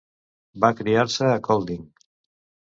Va criar-se a Kolding.